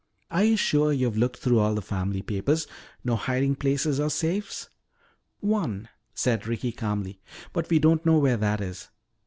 Are you sure you've looked through all the family papers? No hiding places or safes " "One," said Ricky calmly, "but we don't know where that is.